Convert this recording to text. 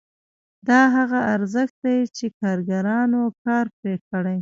دا هغه ارزښت دی چې کارګرانو کار پرې کړی